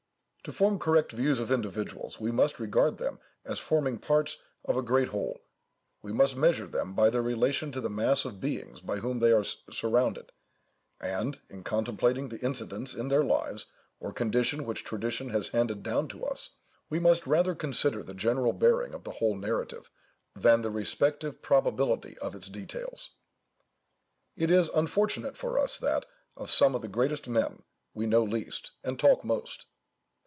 To form correct views of individuals we must regard them as forming parts of a great whole—we must measure them by their relation to the mass of beings by whom they are surrounded, and, in contemplating the incidents in their lives or condition which tradition has handed down to us, we must rather consider the general bearing of the whole narrative, than the respective probability of its details. It is unfortunate for us, that, of some of the greatest men, we know least, and talk most.